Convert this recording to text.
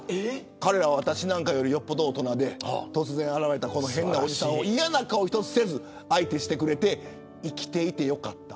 彼らは私なんかよりよっぽど大人で突然現れたこの変なおじさんを嫌な顔一つせず相手してくれて生きていて良かった。